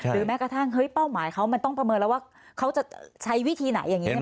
แม้กระทั่งเฮ้ยเป้าหมายเขามันต้องประเมินแล้วว่าเขาจะใช้วิธีไหนอย่างนี้